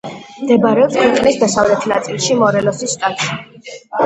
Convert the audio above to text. მდებარეობს ქვეყნის დასავლეთ ნაწილში, მორელოსის შტატში.